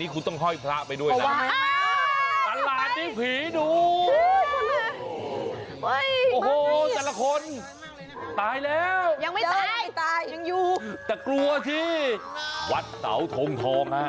ได้บางที่เพจพรุนคุณต้องไปตลาดครับ